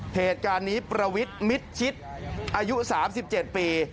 เหตุการณ์นี้ประวิทย์มิดชิดอายุ๓๗ปี